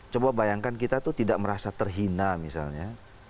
coba bayangkan kita tuh tidak merasa terhina misalnya